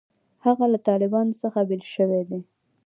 هغه له طالبانو څخه بېل شوی دی.